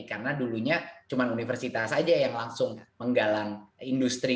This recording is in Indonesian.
karena dulunya cuma universitas saja yang langsung menggalang industri